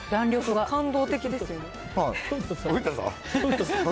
感動的ですよね。